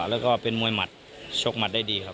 แล้วก็เป็นมวยหมัดชกหมัดได้ดีครับ